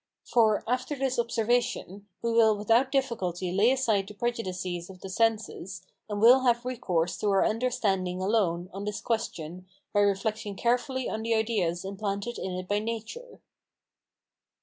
For, after this observation, we will without difficulty lay aside the prejudices of the senses, and will have recourse to our understanding alone on this question by reflecting carefully on the ideas implanted in it by nature.